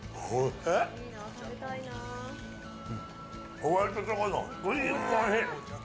ホワイトチョコのクリームおいしい。